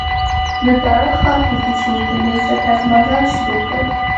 د زاړه ښار په کوڅو کې مې چټک مزل شروع کړ.